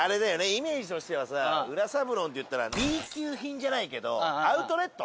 イメージとしてはさ「裏サブロン」っていったらＢ級品じゃないけどアウトレット？